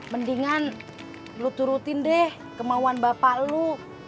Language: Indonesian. mendingan lo turutin deh kemauan bapak lo